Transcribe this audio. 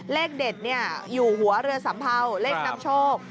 เลขเด็ดอยู่หัวเรือสัมเภาเลขนำโชค